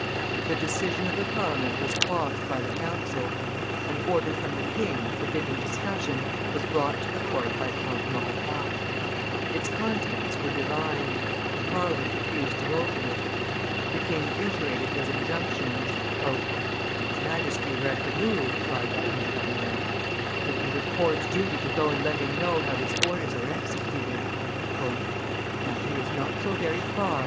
The decision of the Parliament was quashed by the council. An order from the king, forbidding discussion, was brought to the court by Count Maurepas; its contents were divined, and Parliament refused to open it. The king iterated his injunctions. "If his Majesty were at the Louvre," cried Abbe Pernelle, "it would be the court's duty to go and let him know how his orders are executed." "Marly is not so very far!"